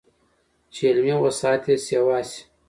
چې علمي وسعت ئې سېوا شي